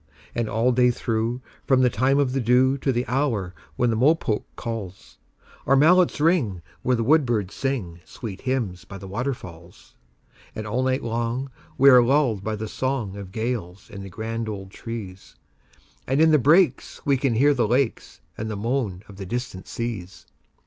And all day through, from the time of the dewTo the hour when the mopoke calls, Our mallets ring where the woodbirds singSweet hymns by the waterfalls. And all night long we are lulled by the songOf gales in the grand old trees; And in the breaks we can hear the lakesAnd the moan of the distant seas.